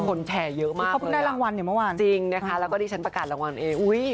คนแชร์เยอะมากเลยอะจริงนะคะแล้วก็ดิฉันประกาศรางวัลเองอุ้ย